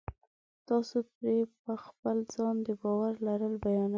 تاسې پرې په خپل ځان د باور لرل بیانوئ